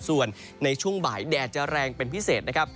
ส่วนในช่วงบ่ายแดดจะแรงเป็นพิเศษนะครับ